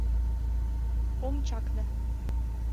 Ом чакне